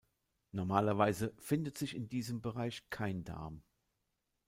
Normalerweise findet sich in diesem Bereich kein Darm.